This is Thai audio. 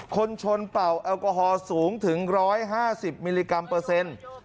คนชนเป่าแอลกอฮอลสูงถึง๑๕๐มิลลิกรัมเปอร์เซ็นต์